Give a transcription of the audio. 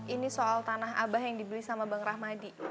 ini soal tanah abah yang dibeli sama bang rahmadi